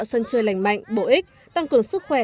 góp phần tạo sân chơi lành mạnh bổ ích tăng cường sức khỏe